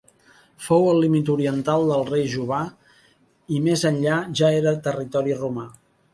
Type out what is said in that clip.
Fou el límit oriental del rei Juba i més enllà ja era territori romà.